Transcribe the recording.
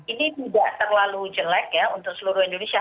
ini tidak terlalu jelek ya untuk seluruh indonesia